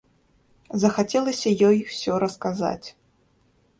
Захацелася ёй усё расказаць.